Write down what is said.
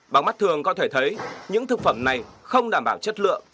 bằng mắt thường có thể thấy những thực phẩm này không đảm bảo chất lượng